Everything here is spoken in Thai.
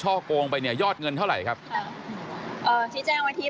แต่เขามีคือคนนี้เขาโอนไว้สองพื้นที่